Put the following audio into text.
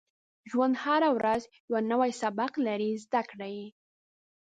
• ژوند هره ورځ یو نوی سبق لري، زده کړه یې.